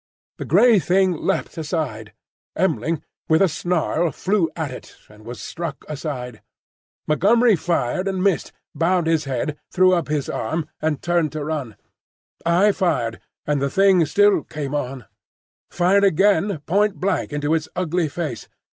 The grey Thing leapt aside. M'ling, with a snarl, flew at it, and was struck aside. Montgomery fired and missed, bowed his head, threw up his arm, and turned to run. I fired, and the Thing still came on; fired again, point blank, into its ugly face.